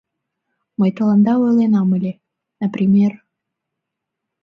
Мый тыланда ойленам ыле, например...